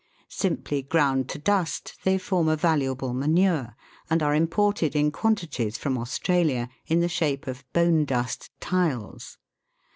Simply ground to dust, they form a valuable manure, and are imported in quantities from Australia, in the shape of bone dust tiles.